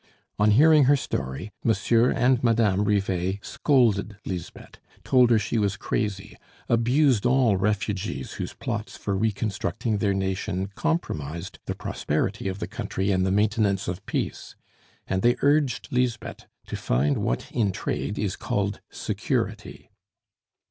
On hearing her story, Monsieur and Madame Rivet scolded Lisbeth, told her she was crazy, abused all refugees whose plots for reconstructing their nation compromised the prosperity of the country and the maintenance of peace; and they urged Lisbeth to find what in trade is called security.